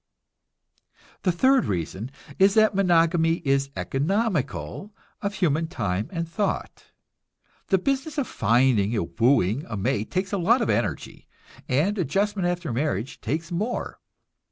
The third reason is that monogamy is economical of human time and thought. The business of finding and wooing a mate takes a lot of energy, and adjustment after marriage takes more.